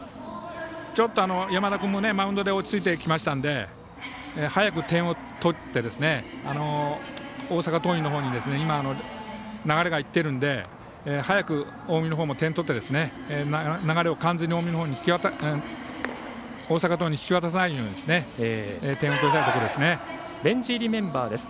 山田君もマウンドで落ち着いてきましたので早く点を取って大阪桐蔭のほうに今、流れがいっているので早く近江のほうも点を取って流れを完全に大阪桐蔭に引き渡さないように点を取りたいところですね。